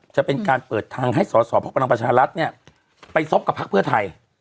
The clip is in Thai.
จะเป็นการเปิดทางให้สอสอภักดิ์ประลังประชารรัฐไปซ่อมกับภักดิ์เพื่อไทย